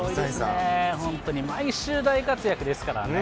本当に毎週、大活躍ですからね。